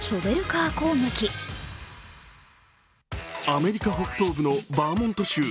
アメリカ北東部のバーモント州。